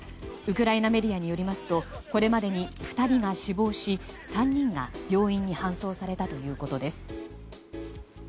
ウクライナメディアによりますとこれまでに２人が死亡し３人が病院に搬送されたということです。